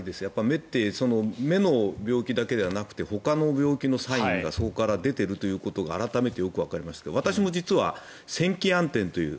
目って目の病気だけではなくてほかの病気のサインがそこから出ているということが改めてよくわかりまして私も実は閃輝暗点という